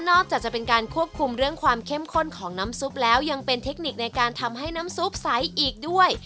อกจากจะเป็นการควบคุมเรื่องความเข้มข้นของน้ำซุปแล้วยังเป็นเทคนิคในการทำให้น้ำซุปใสอีกด้วย